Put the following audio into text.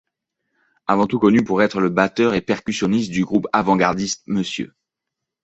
Avant tout connu pour être le batteur et percussionniste du groupe avant-gardiste Mr.